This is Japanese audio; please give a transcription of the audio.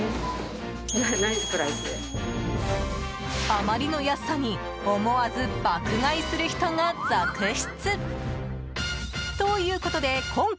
あまりの安さに思わず爆買いする人が続出。